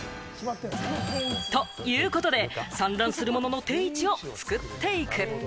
ということで、散乱するものの定位置を作っていく。